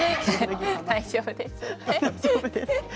大丈夫です。